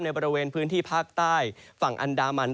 บริเวณพื้นที่ภาคใต้ฝั่งอันดามัน